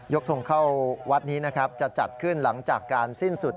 ทงเข้าวัดนี้นะครับจะจัดขึ้นหลังจากการสิ้นสุด